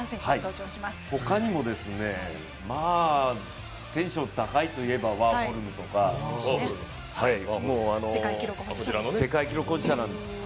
他にもテンション高いといえば、ワーホルムとか、世界記録保持者なんです。